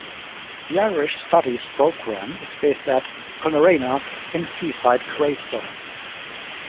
The Irish Studies Program is based at Coolnagreina in seaside Greystones.